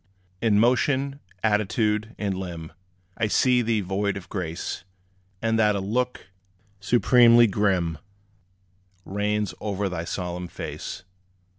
In motion, attitude and limb I see thee void of grace; And that a look supremely grim, Reigns o'er thy solemn face.